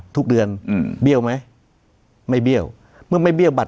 ทุกเดือนเบี้ยวไหมไม่เบี้ยว